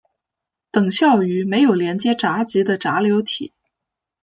等效于没有连接闸极的闸流体。